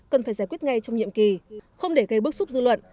cần phải giải quyết ngay trong nhiệm kỳ không để gây bức xúc dư luận